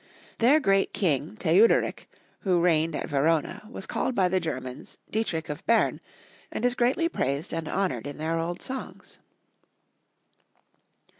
Their great king Theuderick, who reigned at Verona, was called by the Germans Dietrich of Berne, and is greatly praised and hon ored in their old songs.